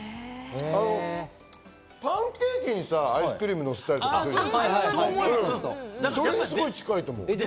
パンケーキにアイスクリームをのせたりする、それにすごい近いと思う。